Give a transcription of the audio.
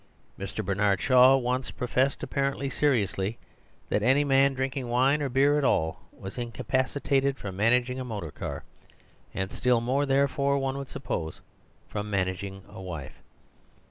Mr. Bernard Shaw once professed, apparently se riously, that any man drinking wine or beer at all was incapacitated from managing a motor car; and still more, therefore, one would sup pose, from managing a wife.